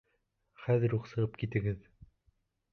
Хәҙер үк сығып китегеҙ!